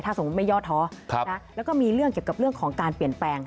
สมมุติไม่ย่อท้อแล้วก็มีเรื่องเกี่ยวกับเรื่องของการเปลี่ยนแปลง